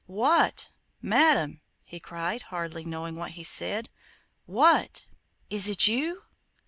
'What! Madam!' he cried, hardly knowing what he said. 'What! Is it you?